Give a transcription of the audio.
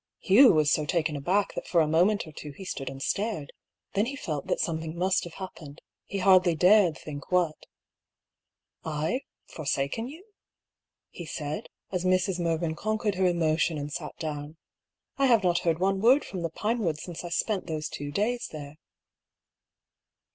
Hugh was so taken aback that for a moment or two he stood and stared. Then he felt that something must have happened — ^he hardly dared think what. " I — forsaken you ?" he said, as Mrs. Mervyn con quered her emotion and sat down. " I have not heard one word from the Pinewood since I spent those two days there."